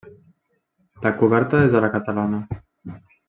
La coberta és a la catalana.